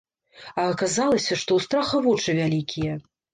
А аказалася, што ў страха вочы вялікія!